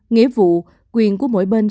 nghĩa vụ quyền của mỗi bên